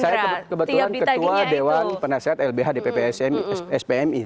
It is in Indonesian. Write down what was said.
saya kebetulan ketua dewan penasehat lbhdpp spmi